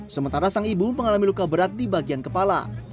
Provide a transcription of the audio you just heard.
sementara sang ibu mengalami luka berat di bagian kepala